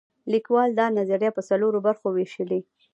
لیکوال دا نظریه په څلورو برخو ویشلې.